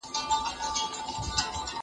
سپوږمۍ خو مياشت كي څو ورځي وي